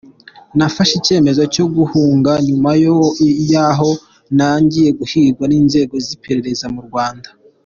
Nafashe icyemezo cyo guhunga nyuma yaho ntangiye guhigwa n’inzego z’iperereza mu Rwanda.